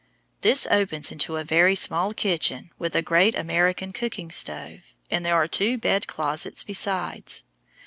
This opens into a very small kitchen with a great American cooking stove, and there are two "bed closets" besides.